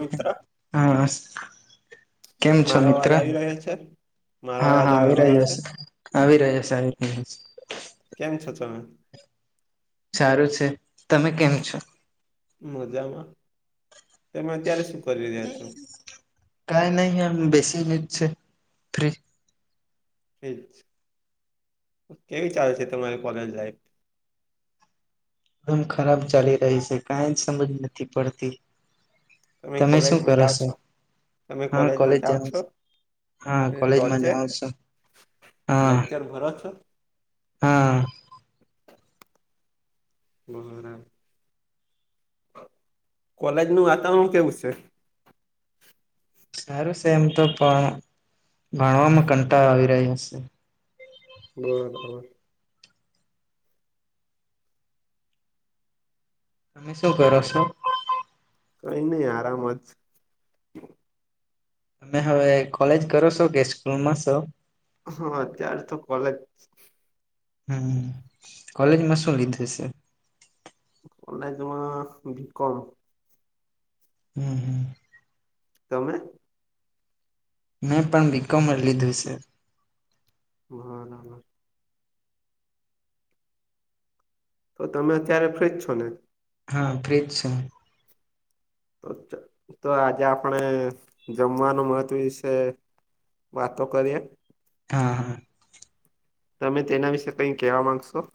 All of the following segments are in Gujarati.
મિત્ર હા કેમ છો મારો મિત્ર અવાજ આવી રહ્યો છે મારો હા અવાજ હા આવી રહ્યો છે છે આવી રહ્યા છે સાહેબ આવી રહ્યા છે. કેમ છો તમે સારું છે તમે કેમ છો. મજામાં તમે અત્યારે શું કરી રહ્યા છો કઈ નહી એ બેસી ની છે ફ્રી કેવી ચાલે છે તમારી કોલેજ લાઈફ એકદમ ખરાબ ચાલી રહી છે, કાઈ જ સમજ નથી પડતી. તમે શું કરો છો તમે હા કોલેજમાં કોલેજ જાઓ જવું છો છું. હા એ કોલેજમાં રોજે જાઉ છું. લેક્ચર ભરો છો હા. [unintelligible] કોલેજ નું વાતાવરણ કેવું છે. સારું છે એમ તો પણ ભણવામાં કંટાળો આવી રહ્યા છે. બરાબર. તમે શું કરોશો કઈ નહી આરામજ તમે હવે કોલેજ કરો છો કે સ્કૂલ માં સૌ હા અત્યાર તો કોલેજ હમ્મ કોલેજમાં શું લીધું છે. કૉલેજ માં બીકોમ હમ્મ હમ્મ. તમે. મેં પણ બીકોમ લીધું છે. હા ના. તો તમે અત્યારે ફ્રીજ છો ને. હા ફ્રી જ છે તો તો આજે આપણે જમવાનું મહત્વ વિશે વાતો કરીએ. હા હા. તમે તેના વિશે કઈ કહેવા માંગશો.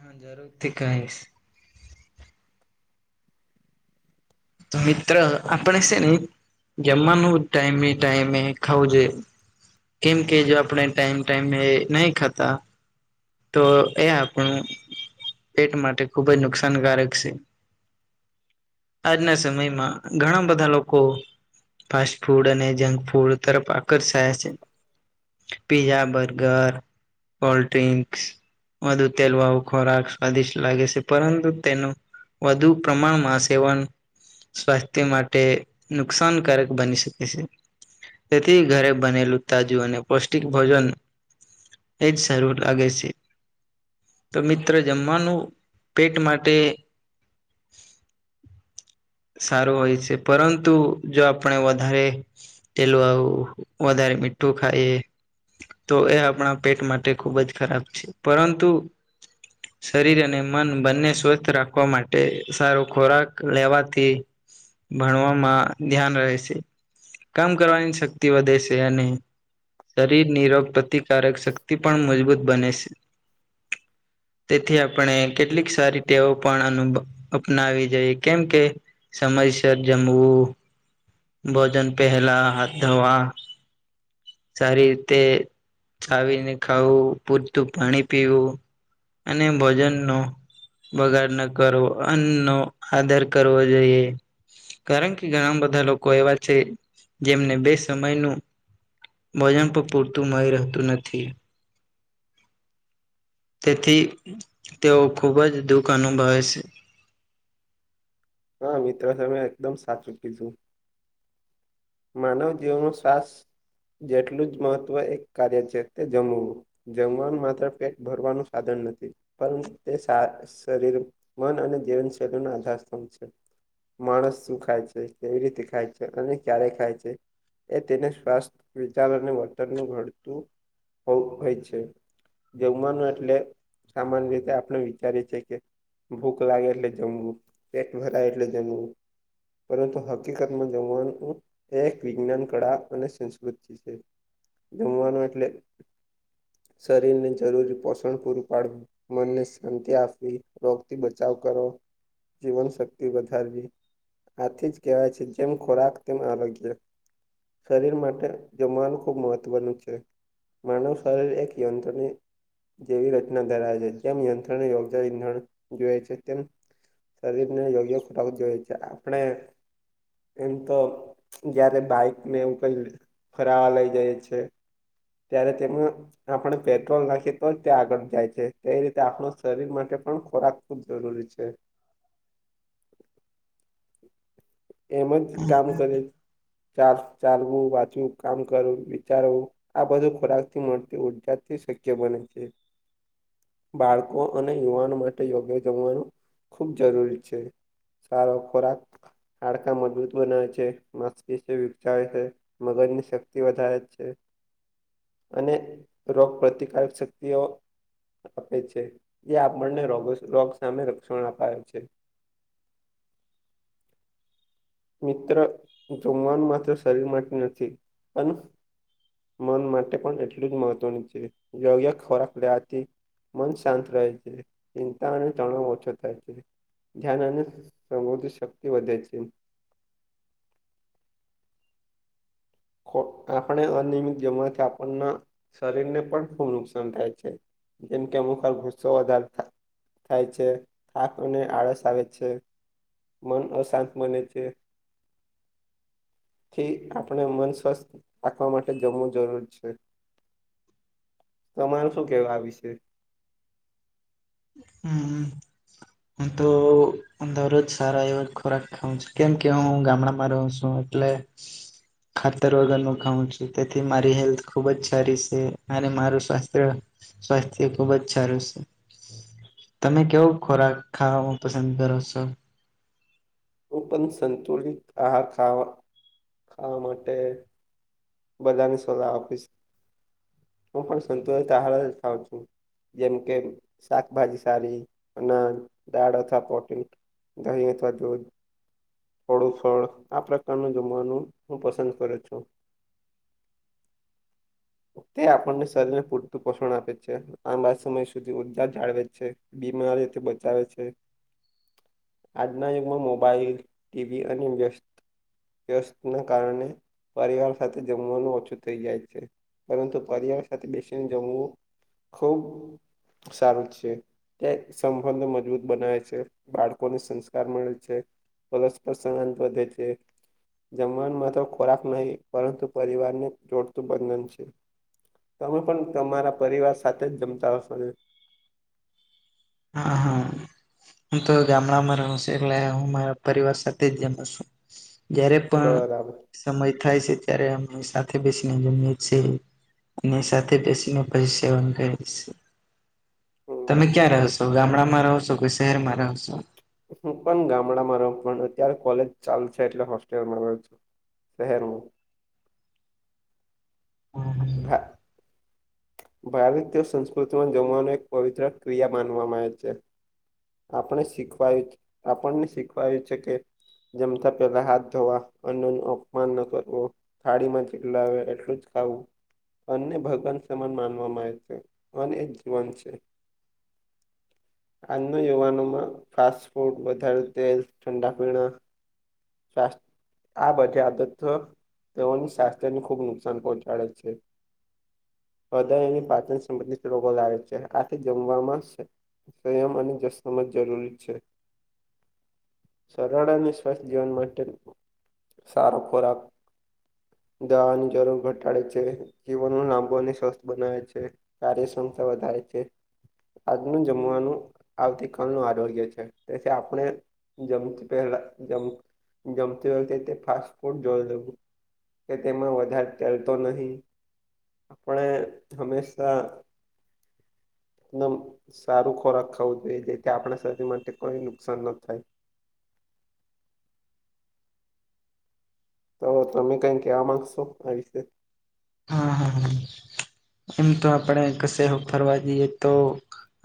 હા જરૂરથી કહીશ. તો મિત્ર આપણે છે નને જમવાનું ટાઈમે ટાઈમે ખાવું જોઈએ. કેમ કે જો આપણે ટાઈમ ટાઈમ એ નહી ખાતા તો એ આપણું પેટ માટે ખુબ જ નુકસાનકારક છે. આજના સમયમાં ઘણા બધા લોકો ફાસ્ટ ફૂડ અને જંક ફૂડ તરફ આકર્ષયા છે. પીઝા બર્ગર કોલ્ડ ડ્રિંક્સ વધુ તેલવાવ ખોરાક સ્વાદિષ્ટ લાગે છે પરંતુ તેનું વધુ પ્રમાણમાં સેવન સ્વાસ્થ્ય માટે નુકસાનકારક બની શકે છે. તેથી ઘરે બનેલું તાજુ અને પૌષ્ટિક ભોજન એજ સારું લાગે છે. તો મિત્ર જમવાનું પેટ માટે સારું હોય છે પરંતુ જો આપણે વધારે તેલ આવું વધારે મીઠું ખાઈએ તો એ આપણા પેટ માટે ખુબ જ ખરાબ છે પરંતુ શરીર અને મન બંને સ્વસ્થ રાખવા માટે સારો ખોરાક લેવા થી ભણવામાં ધ્યાન રહે છે. કામ કરવાની શક્તિ વધે છે અને. શરીર નિરોગ પ્રતિકારક શક્તિ પણ મજબૂત બને છે. તેથી આપણે કેટલીક સારી ટેવો પણનું. અપનાવી જઈ કેમ કે. સમયસર જમવું ભોજન પહેલા હાથ ધવા. સારી રીતે ચાવીને ખાવું પૂરતું પાણી પીવું. અને ભોજન નો બગાડ ન કરવો અન્ન નો આધાર કરવો. જઈએ. કારણ કે ઘણા બધા લોકો એવા છે જેમને બે સમયનું વજન પણ પૂરતું મળી રહેતું નથી તેથી તેઓ ખૂબ જ દુઃખ અનુભવે છે હા મિત્ર તમે એકદમ સાચૂ કીધું માનવ જીવનનું શ્વાસ જેટલું જ મહત્વ એક કાર્ય છે તે જમવું જમવાનું માત્ર પેટ ભરવાનું સાધન નથી પરંતુ તે સા શરીર મન અને જીવનશૈલીના આધાર સ્તભ છે માણસ શું ખાય છે કેવી રીતે ખાય છે અને ક્યારે ખાય છે એ તેને સ્વાસ્થ વિચાર અને વર્તનનું ઘડતું હો હોય છે જમવાનું એટલે સામાન્ય રીતે આપણે વિચારી છે કે ભૂખ લાગે એટલે જમવું પેટ ભરાય એટલે જમવું પરંતુ હકીકતમાં જમવાનું કુ એક વિજ્ઞાન કળા અને સંસ્કૃતિ છે જમવાનો એટલે શરીરને જરૂરી પોષણ પૂરું પાડવું મનને શાંતિ આપવી રોગથી બચાવ કરો જીવનશક્તિ વધારવી આથી જ કહેવાય છે જેમ ખોરાક તેમ આરોગ્ય શરીર માટે જમવાનું ખૂબ મહત્વનું છે માનવ શરીર એક યંત્રની જેવી રચના ધરાવે જેમ યંત્ર યોગ ઇંધણ જોએ છે તેમ શરીર ને યોગ્ય ખોરાક જોઈએ છે આપણે એમ તો જયારે બાઈકને એવું કઈ ફરાવા લઈ જઈએ છે ત્યારે તેમાં આપણે પેટ્રોલ નાખીએ તો તે આગળ જાય છે તે રીતે આપણું શરીર માટે પણ ખોરાક ખૂબ જરૂરી છે એમ જ કામ કરે ચા ચાલવું વાચવું કામ કરવું વિચારવું આ બધું ખોરાકથી મળતી ઉર્જાથી શક્ય બને છે બાળકો અને યુવાનો માટે યોગ્ય જમવાનું ખૂબ જરૂરી છે સારો ખોરાક હાડકા મજબૂત બનાવે તે માસ્પીસને વિકચાવે છે મગજની શક્તિ વધારે જ છે અને રોગ પ્રતિકારક શક્તિઓ આપે છે જે આપણને રોગો રોગ સામે રક્ષણ અપાવે છે મિત્ર જમવાનું માત્ર શરીર માટે નથી પણ મન માટે પણ એટલું જ મહત્વ છે વ્યવ્ય ખોરાક લેવાતી મન શાંત રહે છે ચિંતા અને તણાવ ઓછો થાય છે ધ્યાન અને સમૃદ્ધિ શક્તિ વધે છે ખો આપણે અનિયમિત જમવાથી આપણના શરીરને પણ ખૂબ નુકસાન થાય છે જમ કે અમુખ પર ગુસ્સોદર થા થાય છે થાક અને અને આળસ આવે છે મન અશાંત બને છે થી આપણે મન સ્વસ્થ રાખવા માટે જમવું જરૂર છે [unintelligible] તમારે શું કેવા આ વિશે હૂંમ હું તો દરરોજ સારા એવ જ ખોરાક ખાઉં છું કેમ કે હું ગામડામાં રહું છું એટલે [inaudible] ખાતર વગરનું ખાઉં છું તેથી મારી હેલ્થ ખુબ જ સારી છે અને મારું સ્વાસ્થ્ય સ્વાસ્થ્ય ખુબ જ સારું છે તમે કેવો ખોરાક ખાવામાં પસંદ કરો છો તો પણ સંતુલિત આહાર ખાવ ખાવા માટે બધાને સલાહ આપીશ હું પણ સંતોષ ચાર થઉ છું. જેમ કે શાકભાજી સારી અના દાળ અથવા પોટ દહીં અથવા દૂધ અળું ફળ આ પ્રકારનું જમવાનું હું પસંદ કર છું. તે આપણને શરીરને પૂરતું પોષણ આપે છે આંબા સમય સુધી ઉર્જા જાળવે છે. બીમારીથી બચાવે છે. આજના યુગમાં મોબાઈલ ટીવી અને. વ ના કારણે પરિવાર સાથે જમવાનું ઓછું થઇ જાય છે. પરંતુ પર્યાવારણ સાથે બેસીને જમવું ખુબ સારું છે. ક્યા સંબંધ મજબૂત બનાવે છે બાળકોને સંસ્કાર મળે છે. પરસ્પર સમાન બધે છે. જમવા માં તો ખોરાક નહી પરંતુ પરિવાર ને જોડતું બંધન છે. તમે પણ તમારા પરિવાર સાથે જ જમતા હશો ને હા હા હું તો ગામડામાં રહ છું એટલે હું મારા પરિવાર સાથે જ જમ છું. જ્યારે પણ બરાબર સમય થાય છે ત્યારે અમે સાથે બેસીને જમએીએ. અને સાથે પછી મે પછી સેવન કરી છે હમ તમે ક્યાં રહ છો તો ગામડામાં રહો છો કે શહેરમાં રહ છો. હું પણ ગામડામાં રહું પણ અત્યારે કોલેજ ચાલ છે એટલે હોસ્ટેલમાં રહ છું. ફહેરરો હા ઘા ભારત તેઓ સંસ્કૃતિમાં જમવાની એક પવિત્ર ક્રિયા માનવામાં આવે છે. આપણે શીખવાયું આપણને શીખવાયું છે કે જમતા પેલા હાથ ધોવા અન્ન ન અપમાન ન કરવું થાળી માં જેટલા આવે એટલું જ ખાવું. બને ભગવાન સમાન માનવામાં આવે છે અને જીવન છે. આજના યુવાનોમાં ફાસ્ટ ફૂડ વધારે તેલ ઠંડા પીણા આ બધા આદત તેઓની સ્વાસ્થ્યને ખુબ નુકસાન પહોંચાડે છે. હદ પાચન સંબંધિત રગો લાવે છે આથી જમવામાં છે. સંયમ અને જસમ જ જરૂરી છે. સરળ અને સ્વસ્થ જીવન માટે સારો ખોરાક દવાની જરૂર ઘટાડે છે જીવન લાંબો અને સ્વસ્થ બનાવે છે. કાર્યક્ષમતા વધારે છે આજનું જમવાનું આવતી ક ન આડળ ગય છે તે આપણેમ પહેલા જમતી વ કે ફાસ્ટ ફુડ જળ દેવું કે તેમાં વધારે લતો નહીિ આપણે હંમેશા એકદમ સારું ખોરાક ખાવ આપણા શરીર માટે કોઈ નુકસાન ન થાય તો તમે કઈ કેવા માંગશો આ વિશે હા હા એમ તો આપણે કશે ફરવા જઈએ તો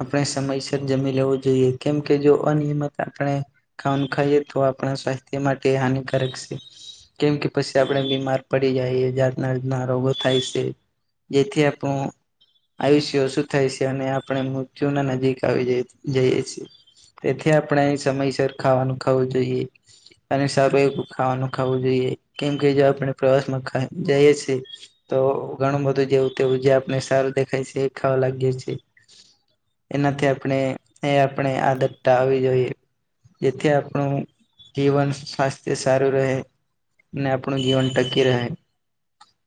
આપણે સમયસર જમી લેવું જોઈએ કેમ કે જો અનિયમિત આપણે ખાવાનું ખાઈએ તો આપણા સ્વાસ્થ્ય માટે હાનિકારક છે. કેમ કે પછી આપડે બીમાર પડી જાય જાતના રોગો થાય છે જેથી આ આપણ આવી છે શું થાય છે અને આપણે મૃત્યુ ના નજીક આવી જઈ જઈએ છીએ તેથી આપણે સમયસર ખાવાનું ખાવું જોઈએ. અને સારું એ ખાવાનું ખાવું જોઈએ કેમ કે જો આપણે પ્રવાસમાં જઈએ છીએ. તો ઘણું બધું જેવું તેવું જે આપને સારું દેખાય છે ખાવા લાગી છીએ. એનાથી આપણે એ આપણે આદતતા આવવી જોઈએ. જેથી આપણું જીવન સ્વાસ્થ્ય સારું રહે. ને આપણું જીવન ટકી રહે.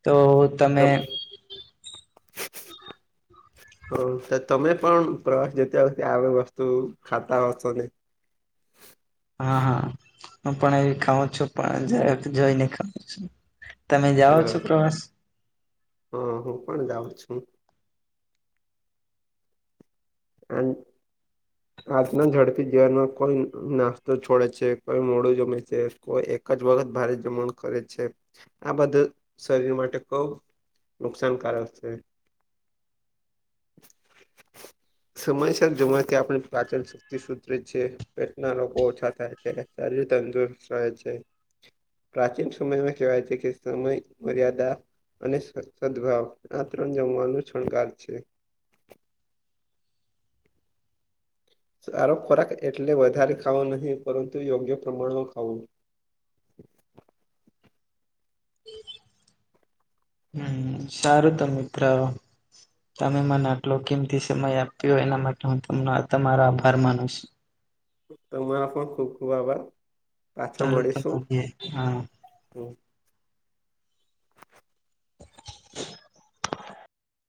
તો તમે તમ [inaudible] [unintelligible] હ સર તમે પણ પ્રવાસ જતા હો ત આવી વસ્તુ ખાતા હશો ને. હા હા હું પણ એવી ખાઉં છું પણ જ જોઈને ખઉ છું તમે જાઓ છો બરાબર પ્રવાસ હા હું પણ જાઉં છું અને આજના ઝડપી જીવનમાં કોઈ નાસ્તો છોડે છે કોઈ મોડું જમે છે. કોઈ એક જ વખત ભારે જમણ કરે છે આ બધા શરીર માટે બહુ. નુકસાનકારક છે. સમયસર જવા કે આપણે પાચન. સુધ છે પેટના ર ઓછા થાય છે શરીર તંદુરસ્ત રહે છે. પ્રાચીન સમયમાં કહેવાય છે કે સમય મર્યાદા અને સદભાવ આ ત્રણ જમવાનું છણગાર છે. સારો ખોરાક એટલે વધારે ખાવા ન પરંતુ યોગ્ય પ્રમાણમાં ખાવું. હમ સારું ત મિત્ર તમે મને આટલો કિમતી સમય આપ્યો હો એના માટે હું તમ તમારો આભાર માનું છું. તમારા પણ ખુબ ખુબ આભાર પાછા ચાલો તો મળીશું. મળીએ હા [unintelligible]